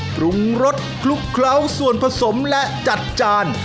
ปรุงรสคลุกเคล้าส่วนผสมและจัดจาน